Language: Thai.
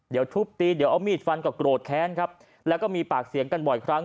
เดี๋ยวทุบตีเดี๋ยวเอามีดฟันก็โกรธแค้นครับแล้วก็มีปากเสียงกันบ่อยครั้ง